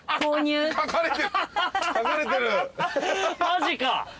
マジか！